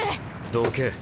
どけ。